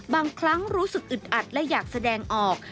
บางครั้งรู้สึกอึดอัดและอยากแสดงออก